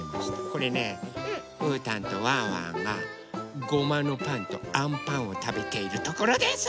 これねうーたんとワンワンがごまのパンとあんパンをたべているところです！